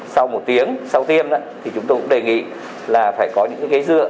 sau một tiếng sau tiêm thì chúng tôi cũng đề nghị là phải có những cái dựa